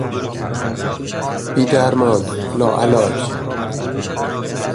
بیدرمان، لاعلاج